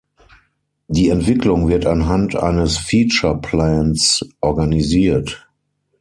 Die Entwicklung wird anhand eines Feature-Plans organisiert.